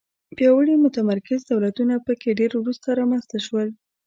پیاوړي متمرکز دولتونه په کې ډېر وروسته رامنځته شول.